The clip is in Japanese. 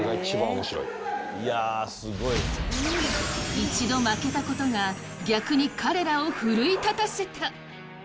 １度負けたことが逆に彼らを奮い立たせた！